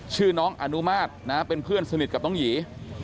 ชื่อน้องอนุมาตรเป็นเพื่อนสนิทกับน้องหยี